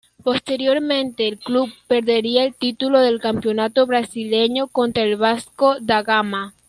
Posteriormente, el club perdería el título del Campeonato Brasileño contra el Vasco da Gama.